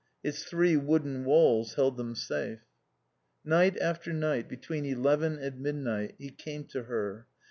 Its three wooden walls held them safe. Night after night, between eleven and midnight, he came to her.